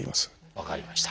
分かりました。